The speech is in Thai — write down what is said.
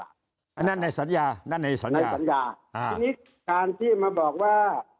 อย่างนั้นเนี่ยสัญญาอาจจะใช้มีการที่มาบอกว่า